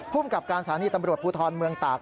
ผู้กับการสาธารณีตำรวจภูทรเมืองตาก